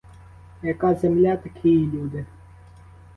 Яка земля, такі й люди.